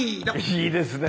いいですね。